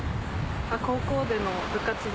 高校での部活動。